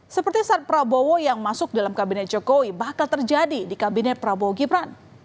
seperti saat prabowo yang masuk dalam kabinet jokowi bakal terjadi di kabinet prabowo gibran